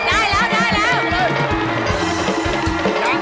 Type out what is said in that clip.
ยากอย่างง